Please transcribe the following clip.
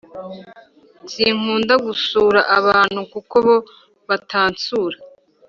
Sinkunda gusura abantu kuko bo batansura